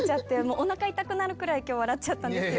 おなか痛くなるくらい今日笑っちゃったんですよ。